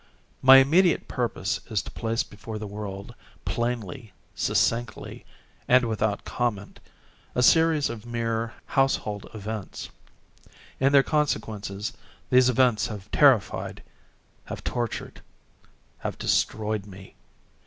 My immediate purpose is to place before the world, plainly, succinctly, and without comment, a series of mere household events. In their consequences, these events have terrified—have tortured—have destroyed me.